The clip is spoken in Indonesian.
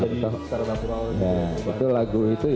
aku akan berubah